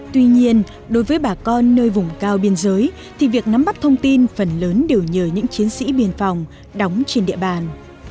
tuy nhiên đối với bà con nơi vùng cao biên giới thì việc nắm bắt thông tin phần lớn đều nhờ những chiến sĩ biên phòng đóng trên địa bàn